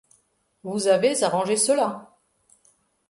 Vous avez arrangé cela!